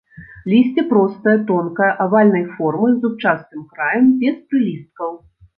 Лісце простае, тонкае, авальнай формы, з зубчастым краем, без прылісткаў.